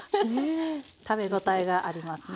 食べ応えがありますね。